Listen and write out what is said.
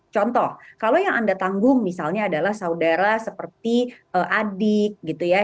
contoh kalau yang anda tanggung misalnya adalah saudara seperti adik gitu ya